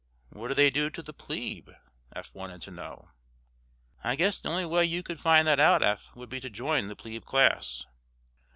"What do they do to the plebe?" Eph wanted to know. "I guess the only way you could find that out, Eph, would be to join the plebe class."